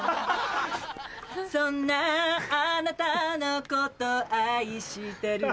そんなあなたのこと愛してる